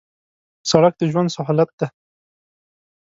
سړک د ژوند سهولت دی